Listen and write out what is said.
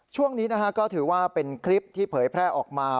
ช่วงนี้ก็ถือว่าเป็นคลิปที่เผยแพร่ออกมา